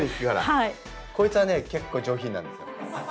こいつはね結構上品なんですよ。